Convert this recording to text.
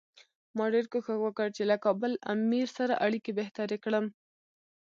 ما ډېر کوښښ وکړ چې له کابل امیر سره اړیکې بهترې کړم.